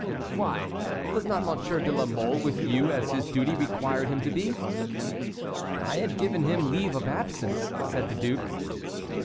"Why was not Monsieur de la Mole with you as his duty required him to be?" "I had given him leave of absence," said the duke.